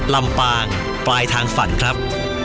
ลำปางปลายทางฝันครับ